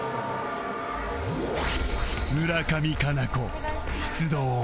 村上佳菜子出動